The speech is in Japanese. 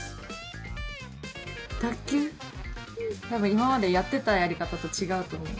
今までやってたやり方と違うと思う。